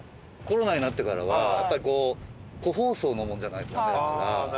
コロナになってからはやっぱりこう個包装のものじゃないとダメだから。